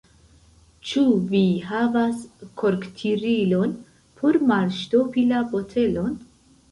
Ĉu vi havas korktirilon, por malŝtopi la botelon?